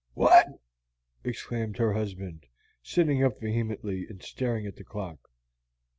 "What!" exclaimed her husband, sitting up vehemently and staring at the clock.